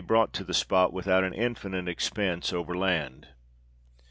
brought to the spot without an infinite expence over land.